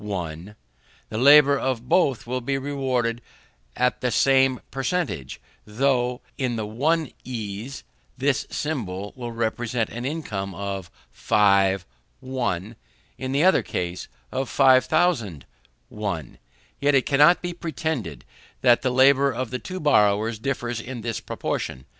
the labour of both will be rewarded with the same per centage, though, in the one ease, this symbol will represent an income of 5_l_., in the other case, of 5000_l_. Yet it cannot be pretended that the labour of the two borrowers differs in this proportion.